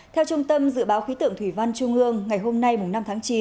theo trung tâm dự báo khí tượng thủy văn trung ương ngày hôm nay năm tháng chín